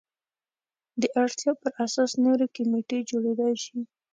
د اړتیا پر اساس نورې کمیټې جوړېدای شي.